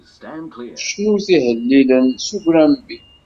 Cnut ihellilen s ugrambi.